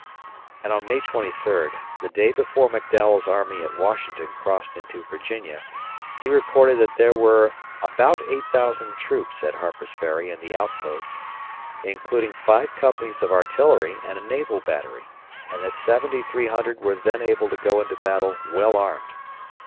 And on May 23, the day before McDowell's army at Washington crossed into Virginia, he reported that there were "about 8000 troops at Harper's Ferry and the outposts, including five companies of artillery and a naval battery, and that 7300 were then able to go into battle well armed.